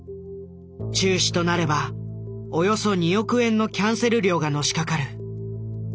中止となればおよそ２億円のキャンセル料がのしかかる。